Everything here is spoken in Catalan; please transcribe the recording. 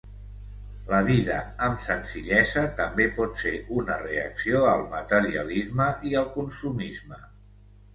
La vida amb senzillesa també pot ser una reacció al materialisme i el consumisme.